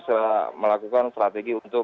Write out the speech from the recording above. sudah melakukan strategi untuk